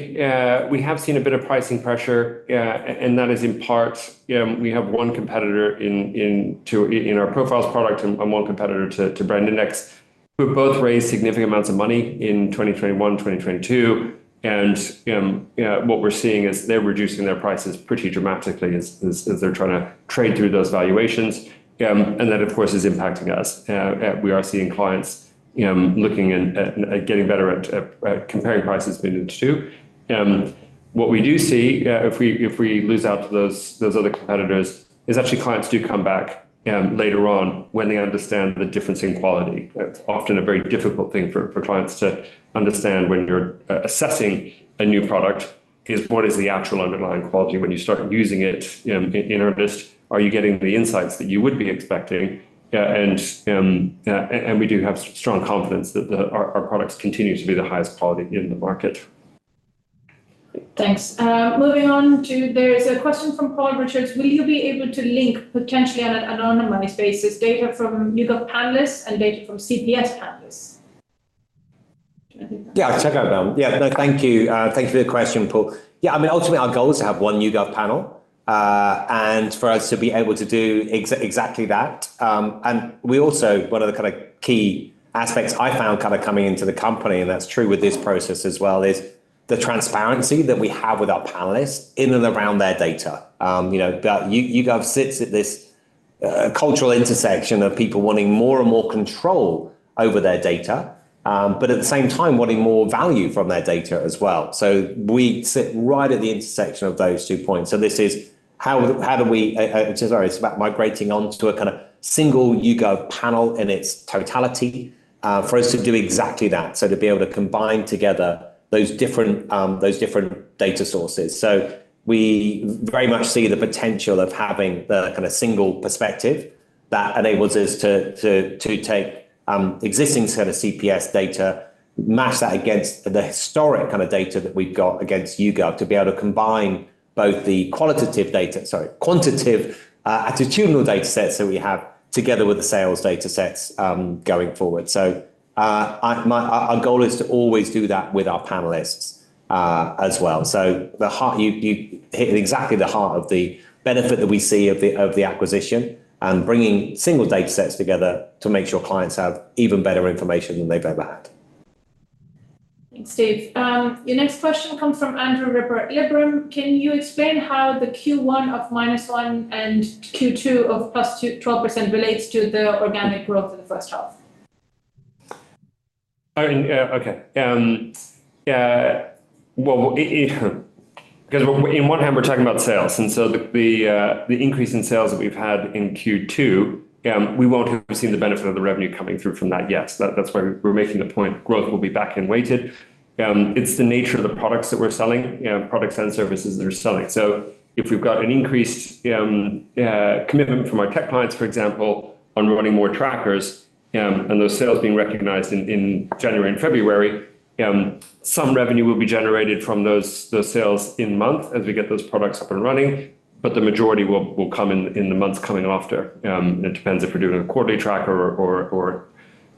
We have seen a bit of pricing pressure, and that is in part we have one competitor into our Profiles product and one competitor to BrandIndex, who have both raised significant amounts of money in 2021, 2022. And, yeah, what we're seeing is they're reducing their prices pretty dramatically as they're trying to trade through those valuations. And that, of course, is impacting us. We are seeing clients looking in at getting better at comparing prices between the two. What we do see, if we lose out to those other competitors, is actually clients do come back later on when they understand the difference in quality. It's often a very difficult thing for clients to understand when you're assessing a new product is what is the actual underlying quality when you start using it, in earnest. Are you getting the insights that you would be expecting? And we do have strong confidence that our products continue to be the highest quality in the market. Thanks. Moving on, there is a question from Paul Richards. Will you be able to link potentially on an anonymized basis data from YouGov panelists and data from CPS panelists? Yeah, I'll check out them. Yeah, no, thank you. Thank you for the question, Paul. Yeah, I mean, ultimately, our goal is to have one YouGov panel, and for us to be able to do exactly that. And we also one of the kind of key aspects I found kind of coming into the company, and that's true with this process as well, is the transparency that we have with our panelists in and around their data. You know, but YouGov sits at this, cultural intersection of people wanting more and more control over their data, but at the same time, wanting more value from their data as well. So we sit right at the intersection of those two points. So this is how it's about migrating onto a kind of single YouGov panel in its totality, for us to do exactly that, so to be able to combine together those different data sources. So we very much see the potential of having the kind of single perspective that enables us to take existing set of CPS data, match that against the historic kind of data that we've got against YouGov, to be able to combine both the quantitative, attitudinal data sets that we have together with the sales data sets, going forward. So, our goal is to always do that with our panelists, as well. So you hit exactly the heart of the benefit that we see of the acquisition and bringing single data sets together to make sure clients have even better information than they've ever had. Thanks, Steve. Your next question comes from Andrew Ripper. Alex, can you explain how the Q1 of -1% and Q2 of +12% relates to the organic growth in the first half? Oh, and yeah, okay. Yeah, well, it because on one hand, we're talking about sales. And so the increase in sales that we've had in Q2, we won't have seen the benefit of the revenue coming through from that yet. That's why we're making the point, growth will be back-weighted. It's the nature of the products that we're selling, products and services that we're selling. So if we've got an increased commitment from our tech clients, for example, on running more trackers, and those sales being recognized in January and February, some revenue will be generated from those sales in the month as we get those products up and running. But the majority will come in the months coming after. It depends if we're doing a quarterly tracker or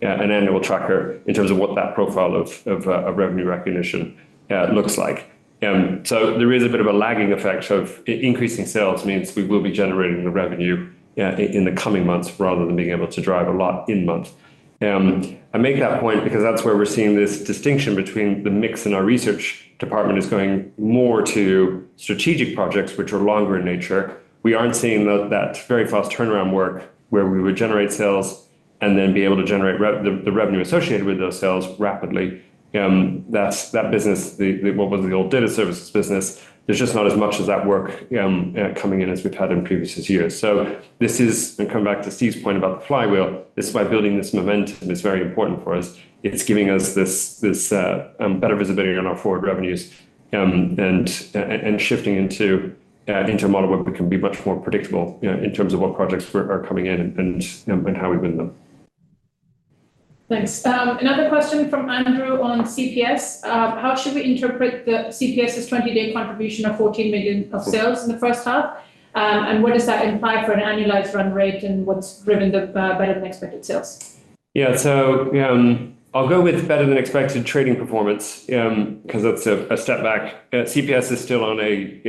an annual tracker in terms of what that profile of revenue recognition looks like. So there is a bit of a lagging effect of increasing sales means we will be generating the revenue in the coming months rather than being able to drive a lot in months. I make that point because that's where we're seeing this distinction between the mix in our research department is going more to strategic projects, which are longer in nature. We aren't seeing that very fast turnaround work where we would generate sales and then be able to generate the revenue associated with those sales rapidly. That's that business, the what was the old data services business, there's just not as much of that work coming in as we've had in previous years. So, this is and come back to Steve's point about the flywheel. This is why building this momentum is very important for us. It's giving us this better visibility on our forward revenues, and shifting into a model where we can be much more predictable, you know, in terms of what projects are coming in and how we win them. Thanks. Another question from Andrew on CPS. How should we interpret the CPS's 20-day contribution of 14 million of sales in the first half? And what does that imply for an annualized run rate and what's driven the better-than-expected sales? Yeah, so, I'll go with better-than-expected trading performance, because that's a step back. CPS is still on a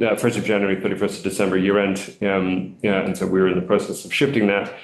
1st of January, 31st of December year-end. Yeah, and so we were in the process of shifting that.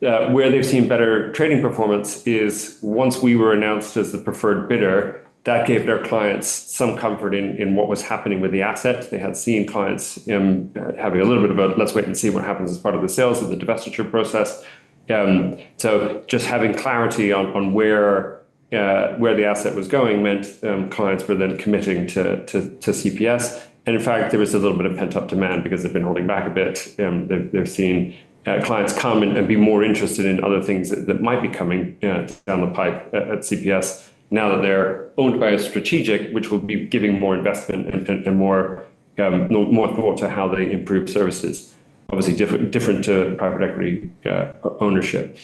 Where they've seen better trading performance is once we were announced as the preferred bidder, that gave their clients some comfort in what was happening with the asset. They had seen clients having a little bit of a let's wait and see what happens as part of the sales of the divestiture process. So just having clarity on where the asset was going meant clients were then committing to CPS. And in fact, there was a little bit of pent-up demand because they've been holding back a bit. They've seen clients come and be more interested in other things that might be coming down the pipe at CPS now that they're owned by a strategic, which will be giving more investment and more thought to how they improve services. Obviously, different to private equity ownership.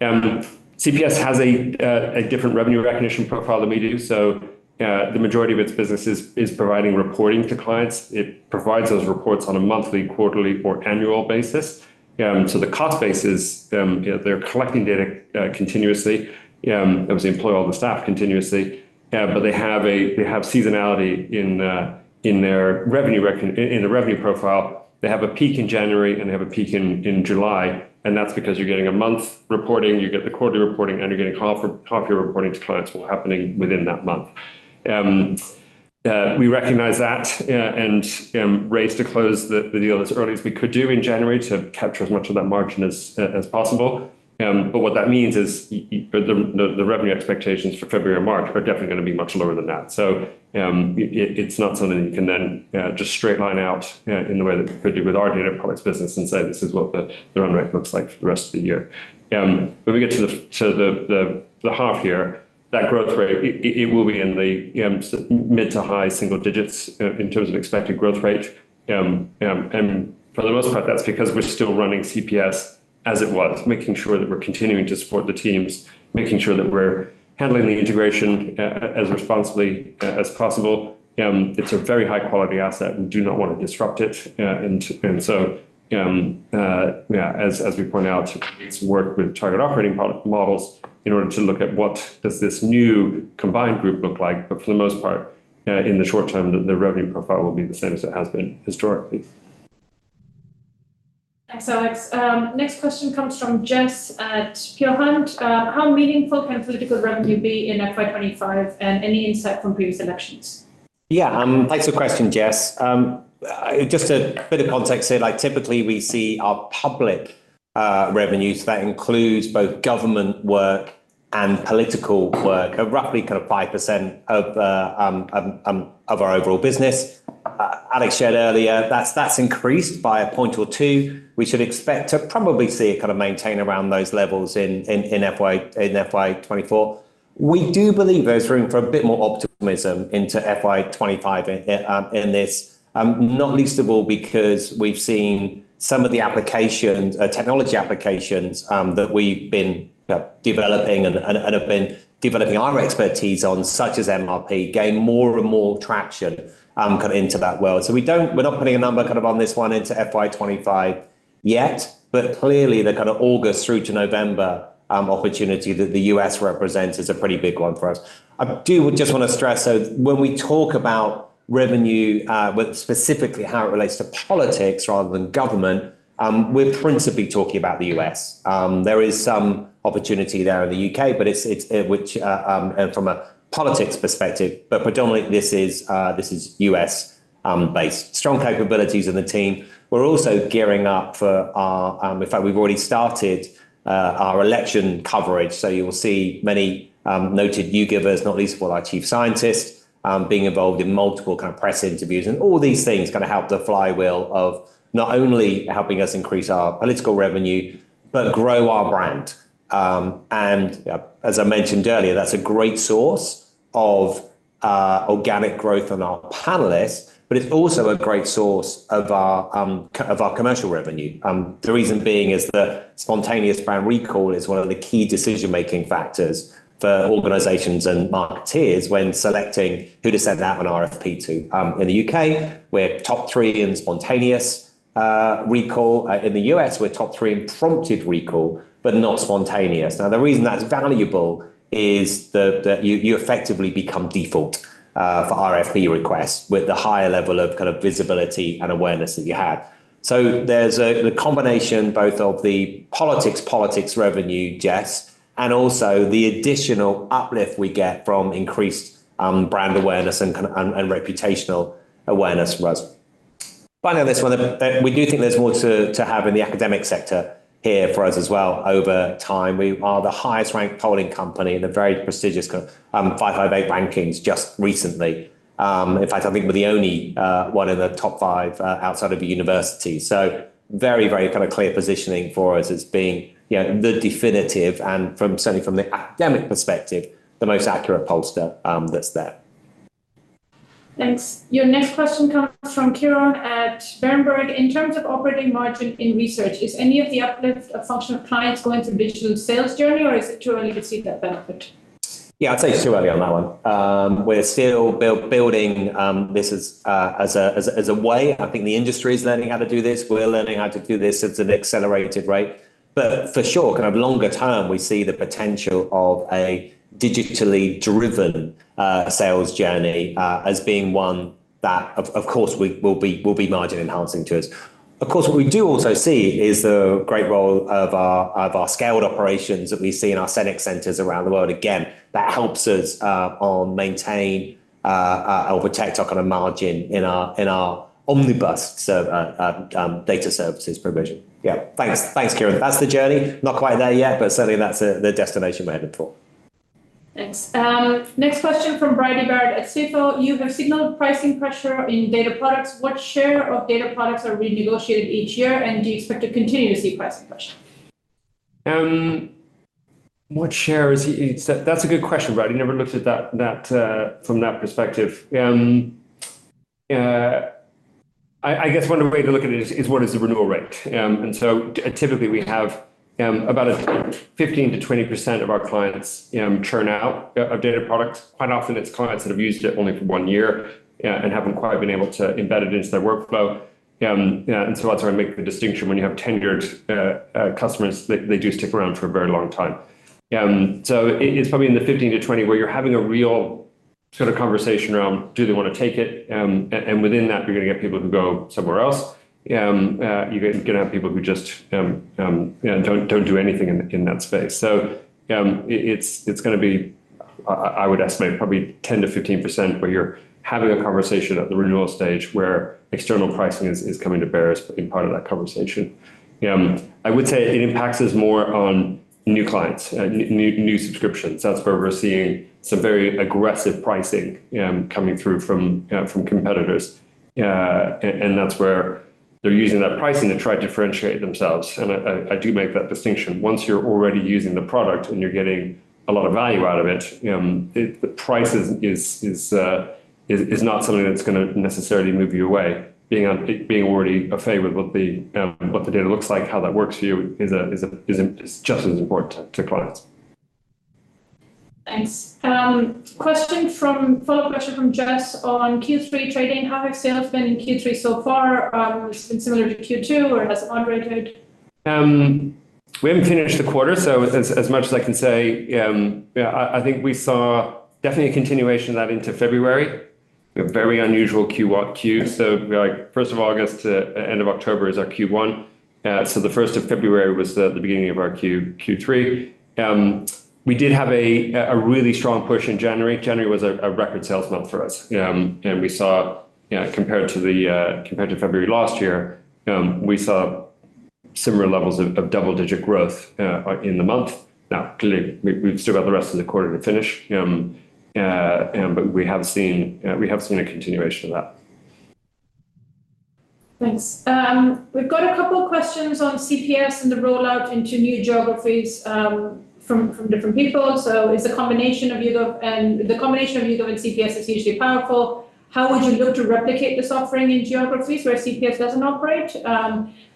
CPS has a different revenue recognition profile than we do. So, the majority of its business is providing reporting to clients. It provides those reports on a monthly, quarterly, or annual basis. So the cost base is they're collecting data continuously. Obviously, they employ all the staff continuously. But they have seasonality in their revenue recognition in the revenue profile. They have a peak in January, and they have a peak in July. That's because you're getting monthly reporting, you get the quarterly reporting, and you're getting half-year reporting to clients that will be happening within that month. We recognize that, and raced to close the deal as early as we could in January to capture as much of that margin as possible. But what that means is the revenue expectations for February and March are definitely going to be much lower than that. So, it's not something that you can then just straight line out in the way that we could do with our data products business and say, "This is what the run rate looks like for the rest of the year." When we get to the half here, that growth rate will be in the mid- to high-single digits, in terms of expected growth rate. For the most part, that's because we're still running CPS as it was, making sure that we're continuing to support the teams, making sure that we're handling the integration, as responsibly as possible. It's a very high-quality asset. We do not want to disrupt it. And so, yeah, as we point out, we need some work with Target Operating Model models in order to look at what does this new combined group look like. But for the most part, in the short term, the revenue profile will be the same as it has been historically. Thanks, Alex. Next question comes from Jess at Peel Hunt. How meaningful can political revenue be in FY25 and any insight from previous elections? Yeah, thanks for the question, Jess. Just a bit of context here, like, typically, we see our public revenues, that includes both government work and political work, are roughly kind of 5% of our overall business. Alex shared earlier, that's increased by a point or two. We should expect to probably see it kind of maintain around those levels in FY 2024. We do believe there's room for a bit more optimism into FY 2025 in this, not least of all because we've seen some of the technology applications that we've been, you know, developing and have been developing our expertise on, such as MRP, gain more and more traction, kind of into that world. So we're not putting a number kind of on this one into FY 2025 yet. But clearly, the kind of August through to November opportunity that the U.S. represents is a pretty big one for us. I do just want to stress, so when we talk about revenue, with specifically how it relates to politics rather than government, we're principally talking about the U.S. There is some opportunity there in the U.K., but it's, it's, which, and from a politics perspective, but predominantly, this is, this is U.S.-based. Strong capabilities in the team. We're also gearing up for our, in fact, we've already started, our election coverage. So you will see many noted YouGivers, not least of all, our Chief Scientist, being involved in multiple kind of press interviews. And all these things kind of help the flywheel of not only helping us increase our political revenue, but grow our brand. And, yeah, as I mentioned earlier, that's a great source of organic growth on our panelists. But it's also a great source of our, of our commercial revenue. The reason being is the spontaneous brand recall is one of the key decision-making factors for organizations and marketeers when selecting who to send that one RFP to. In the U.K., we're top three in spontaneous recall. In the U.S., we're top three in prompted recall, but not spontaneous. Now, the reason that's valuable is the, the you, you effectively become default for RFP requests with the higher level of kind of visibility and awareness that you have. So there's a the combination both of the politics, politics revenue, Jess, and also the additional uplift we get from increased brand awareness and kind of and, and reputational awareness for us. Finally, on this one, we do think there's more to have in the academic sector here for us as well over time. We are the highest-ranked polling company in the very prestigious kind of FiveThirtyEight rankings just recently. In fact, I think we're the only one in the top five outside of the university. So very, very kind of clear positioning for us as being, you know, the definitive and, from the academic perspective, the most accurate pollster that's there. Thanks. Your next question comes from Kiran at Berenberg. In terms of operating margin in research, is any of the uplift function of clients going to a digital sales journey, or is it too early to see that benefit? Yeah, I'd say it's too early on that one. We're still building this as a way. I think the industry is learning how to do this. We're learning how to do this at an accelerated rate. But for sure, kind of longer term, we see the potential of a digitally driven sales journey as being one that, of course, we will be margin-enhancing to us. Of course, what we do also see is the great role of our scaled operations that we see in our CenXcenters around the world. Again, that helps us to maintain our top margins in our omnibus service data services provision. Yeah, thanks. Thanks, Kiran. That's the journey. Not quite there yet, but certainly, that's the destination we're headed for. Thanks. Next question from Brad at CFO. You have signaled pricing pressure in data products. What share of data products are renegotiated each year? And do you expect to continue to see pricing pressure? What share is that? That's a good question, Brad. You never looked at that, that, from that perspective. I, I guess one way to look at it is, is what is the renewal rate? And so typically, we have, about a 15%-20% of our clients, churn out of data products. Quite often, it's clients that have used it only for one year, and haven't quite been able to embed it into their workflow. And so that's why I make the distinction when you have tenured, customers, they, they do stick around for a very long time. So it's probably in the 15%-20% where you're having a real sort of conversation around, do they want to take it? And within that, you're going to get people who go somewhere else. You're going to have people who just, yeah, don't, don't do anything in that space. So, it's going to be, I would estimate, probably 10%-15% where you're having a conversation at the renewal stage where external pricing is coming to bear as being part of that conversation. I would say it impacts us more on new clients, new subscriptions. That's where we're seeing some very aggressive pricing coming through from competitors. And that's where they're using that pricing to try to differentiate themselves. And I do make that distinction. Once you're already using the product and you're getting a lot of value out of it, the price is not something that's going to necessarily move you away. Being already aware with what the data looks like, how that works for you is just as important to clients. Thanks. Question from follow-up question from Jess on Q3 trading. How have sales been in Q3 so far? It's been similar to Q2 or has it moderated? We haven't finished the quarter. So as much as I can say, yeah, I think we saw definitely a continuation of that into February. We have very unusual Q1 queues. So we're like, 1st of August to end of October is our Q1. So the 1st of February was the beginning of our Q3. We did have a really strong push in January. January was a record sales month for us. And we saw, you know, compared to February last year, we saw similar levels of double-digit growth in the month. Now, clearly, we've still got the rest of the quarter to finish. But we have seen a continuation of that. Thanks. We've got a couple of questions on CPS and the rollout into new geographies, from different people. So the combination of YouGov and CPS is hugely powerful. How would you look to replicate this offering in geographies where CPS doesn't operate?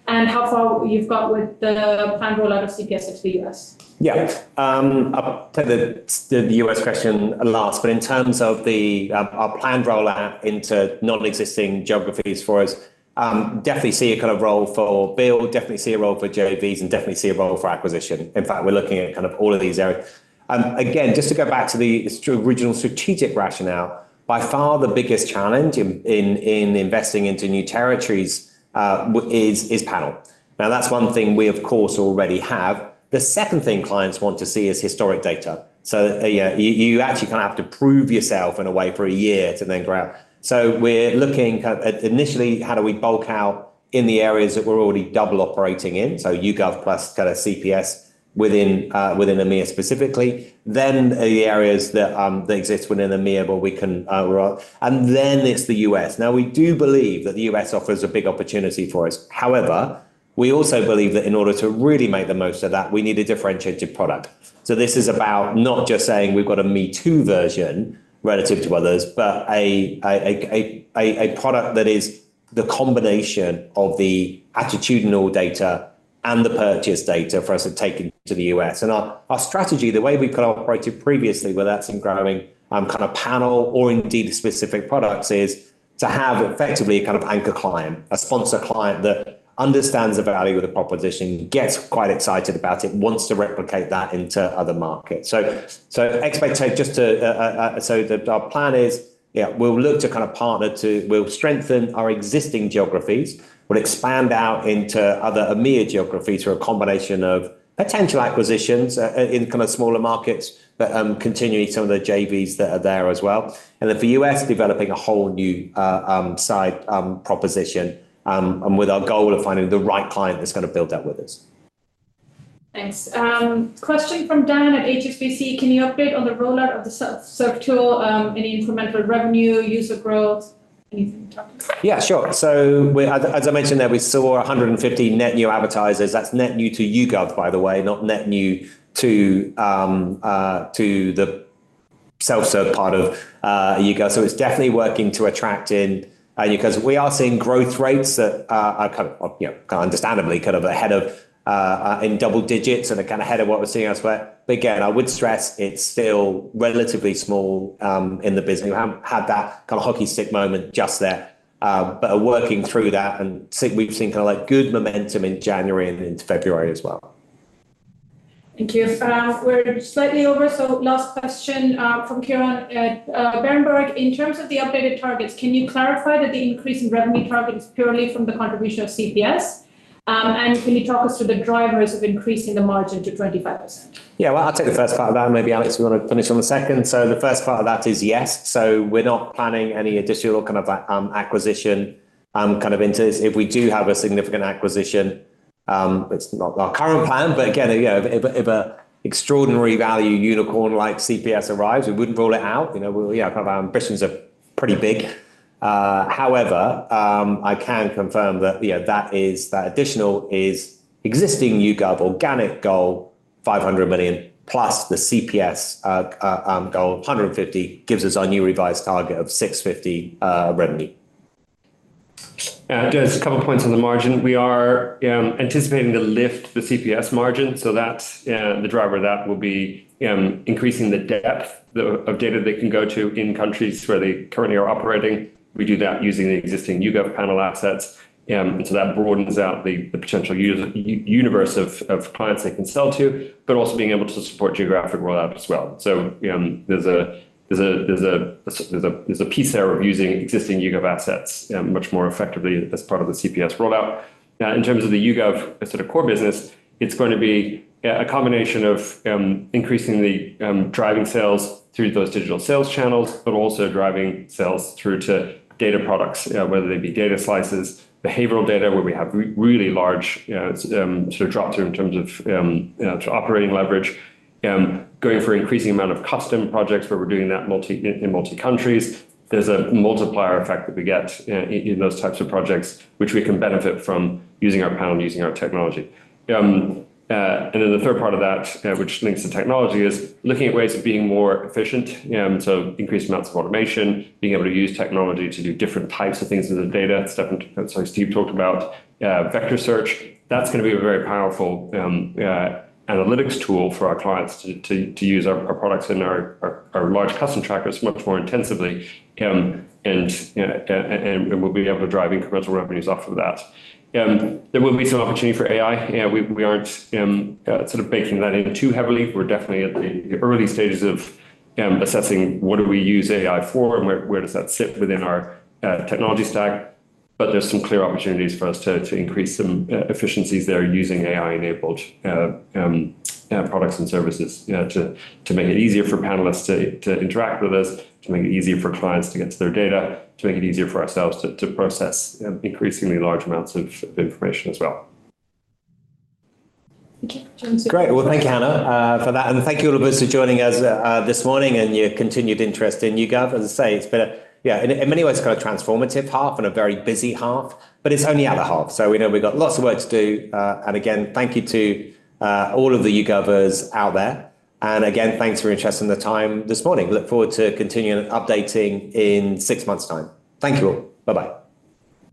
And how far you've got with the planned rollout of CPS into the U.S.? Yeah, I'll tell the US question last. But in terms of the, our planned rollout into non-existing geographies for us, definitely see a kind of role for build, definitely see a role for JVs, and definitely see a role for acquisition. In fact, we're looking at kind of all of these areas. Again, just to go back to the original strategic rationale, by far the biggest challenge in investing into new territories is panel. Now, that's one thing we, of course, already have. The second thing clients want to see is historic data. So, yeah, you actually kind of have to prove yourself in a way for a year to then grow out. So we're looking kind of at initially, how do we bulk out in the areas that we're already double operating in? So YouGov plus kind of CPS within EMEA specifically. Then the areas that exist within EMEA where we can, and then it's the US. Now, we do believe that the US offers a big opportunity for us. However, we also believe that in order to really make the most of that, we need a differentiated product. So this is about not just saying we've got a MeToo version relative to others, but a product that is the combination of the attitudinal data and the purchase data for us to take into the US. And our strategy, the way we've kind of operated previously where that's been growing, kind of panel or indeed specific products is to have effectively a kind of anchor client, a sponsor client that understands the value of the proposition, gets quite excited about it, wants to replicate that into other markets. So, expect just to so that our plan is, yeah, we'll look to kind of partner to we'll strengthen our existing geographies. We'll expand out into other EMEA geographies through a combination of potential acquisitions in kind of smaller markets, but continuing some of the JVs that are there as well. And then for the US, developing a whole new side proposition, and with our goal of finding the right client that's going to build that with us. Thanks. Question from Dan at HSBC. Can you update on the rollout of the self-serve tool, any incremental revenue, user growth, anything to talk about? Yeah, sure. So, as I mentioned there, we saw 150 net new advertisers. That's net new to YouGov, by the way, not net new to, to the self-serve part of YouGov. So it's definitely working to attract in, because we are seeing growth rates that are kind of, you know, kind of understandably kind of ahead of in double digits and are kind of ahead of what we're seeing elsewhere. But again, I would stress it's still relatively small in the business. We haven't had that kind of hockey stick moment just there. But we're working through that. And we've seen kind of like good momentum in January and into February as well. Thank you. We're slightly over. So last question, from Kiran at Berenberg. In terms of the updated targets, can you clarify that the increase in revenue target is purely from the contribution of CPS? And can you talk us through the drivers of increasing the margin to 25%? Yeah, well, I'll take the first part of that. Maybe, Alex, we want to finish on the second. So the first part of that is yes. So we're not planning any additional kind of, acquisition, kind of into this. If we do have a significant acquisition, it's not our current plan. But again, you know, if an extraordinary value unicorn like CPS arrives, we wouldn't rule it out. You know, we'll, yeah, kind of ambitions are pretty big. However, I can confirm that, you know, that is that additional is existing YouGov organic goal, 500 million plus the CPS, goal, 150 million gives us our new revised target of 650 million revenue. Yeah, just a couple of points on the margin. We are anticipating to lift the CPS margin. So that's the driver of that will be increasing the depth of data they can go to in countries where they currently are operating. We do that using the existing YouGov panel assets. So that broadens out the potential universe of clients they can sell to, but also being able to support geographic rollout as well. So, there's a piece there of using existing YouGov assets much more effectively as part of the CPS rollout. Now, in terms of the YouGov sort of core business, it's going to be a combination of increasing the driving sales through those digital sales channels, but also driving sales through to data products, whether they be data slices, behavioral data where we have really large, you know, sort of dropthrough in terms of sort of operating leverage, going for increasing amount of custom projects where we're doing that multi in multi countries. There's a multiplier effect that we get in those types of projects, which we can benefit from using our panel, using our technology. And then the third part of that, which links to technology, is looking at ways of being more efficient, so increased amounts of automation, being able to use technology to do different types of things in the data. Stephan, sorry, Steve talked about vector search. That's going to be a very powerful analytics tool for our clients to use our products and our large custom trackers much more intensively. And you know, we'll be able to drive incremental revenues off of that. There will be some opportunity for AI. Yeah, we aren't sort of baking that in too heavily. We're definitely at the early stages of assessing what do we use AI for and where does that sit within our technology stack? But there's some clear opportunities for us to increase some efficiencies there using AI-enabled products and services, to make it easier for panelists to interact with us, to make it easier for clients to get to their data, to make it easier for ourselves to process increasingly large amounts of information as well. Thank you. Great. Well, thank you, Hannah, for that. And thank you all for joining us this morning and your continued interest in YouGov. As I say, it's been a yeah, in many ways, kind of transformative half and a very busy half. But it's only other half. So we know we've got lots of work to do. And again, thank you to all of the YouGovers out there. And again, thanks for your interest and the time this morning. Look forward to continuing updating in six months' time. Thank you all. Bye-bye.